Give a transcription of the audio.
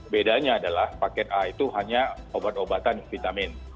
bedanya adalah paket a itu hanya obat obatan vitamin